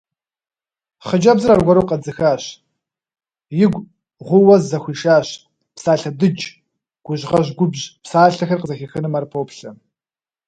Хъыджэбзыр аргуэру къэдзыхащ, игу гъууэ зызэхуишащ: псалъэ дыдж, гужьгъэжь губжь псалъэхэр къызэхихыным ар поплъэ.